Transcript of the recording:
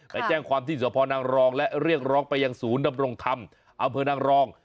ไปแจ้งความที่สพนางรองและเรียกร้องไปยังศูนย์ดำรงธรรมอำเภอนางรอง